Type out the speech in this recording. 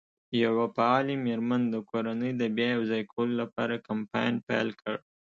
یوه فعالې مېرمن د کورنۍ د بیا یو ځای کولو لپاره کمپاین پیل کړ.